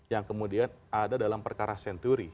yang kemudian ada dalam perkara senturi